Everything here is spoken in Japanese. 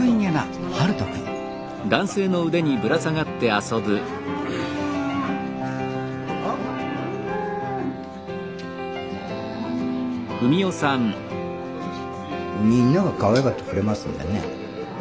陽翔くんみんながかわいがってくれますんでね。